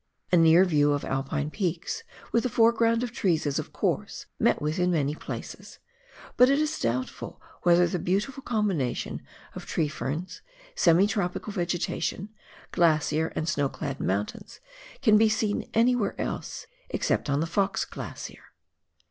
A near view of Alpine peaks with a foreground of trees is, of course, met with in many places, but it is doubtful whether the beautiful combination of tree ferns, semi tropical vegetation, glacier and snow clad mountains, can be seen anywhere else, except on the Fox Glacier.